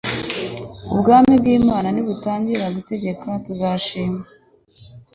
Ubwami bw'Imana nibutangira gutegeka, tuzishima